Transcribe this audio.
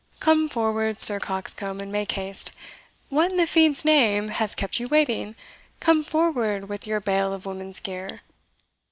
Come forward, Sir Coxcomb, and make haste. What, in the fiend's name, has kept you waiting? Come forward with your bale of woman's gear."